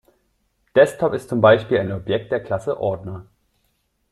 Desktop ist zum Beispiel ein Objekt der Klasse Ordner.